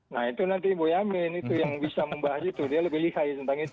nah itu nanti boyamin itu yang bisa membahas itu dia lebih lihai tentang itu